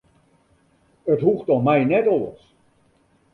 It hoecht om my net oars.